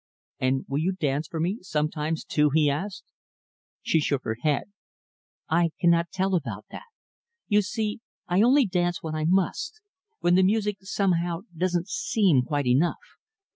"And will you dance for me, sometimes too?" he asked. She shook her head. "I cannot tell about that. You see, I only dance when I must when the music, somehow, doesn't seem quite enough.